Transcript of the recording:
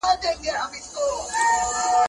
نه كيږي ولا خانه